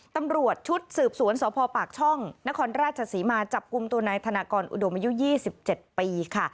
ตำรวจชุดสืบสวนสพปากช่องนครราชศรีมาจับกลุ่มตัวนายธนากรอุดมอายุ๒๗ปีค่ะ